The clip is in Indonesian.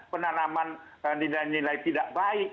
penanaman nilai nilai tidak baik